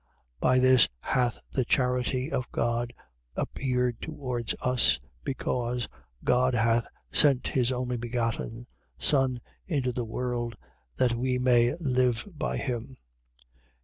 4:9. By this hath the charity of God appeared towards us, because God hath sent his only begotten Son into the world, that we may live by him.